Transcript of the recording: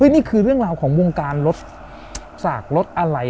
นี่คือเรื่องราวของวงการรถสากรถอะไร